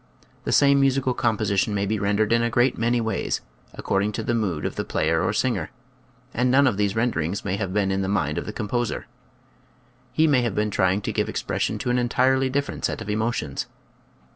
The same musical composition may be rendered in a great many ways, ac cording to the mood of the player or singer, and none of these renderings may have been in the mind of the composer. He may have been trying to give expression to an entirely different set of emotions.